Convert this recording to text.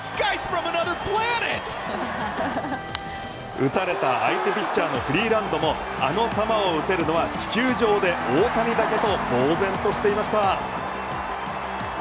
打たれた相手ピッチャーのフリーランドもあの球を打てるのは、地球上で大谷だけと呆然としていました。